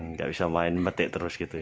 nggak bisa main batik terus gitu ya